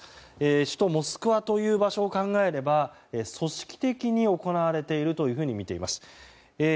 首都モスクワという場所を考えれば組織的に行われているとみています。